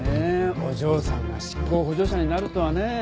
お嬢さんが執行補助者になるとはねえ。